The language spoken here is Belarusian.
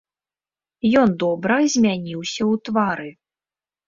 Ён добра змяніўся ў твары.